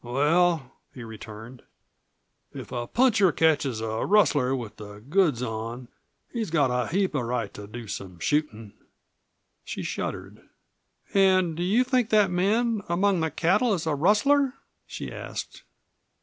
"Well," he returned, "if a puncher ketches a rustler with the goods on he's got a heap of right to do some shootin'." She shuddered. "And do you think that man among the cattle is a rustler?" she asked.